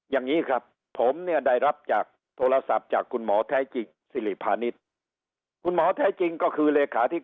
อย่างนี้ครับถมเนี่ยได้รับจากโทรศัพท์จากคุณหมอแท้จิงสิริพาณิชย์